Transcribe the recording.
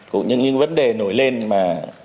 cũng như những vấn đề nổi lên mà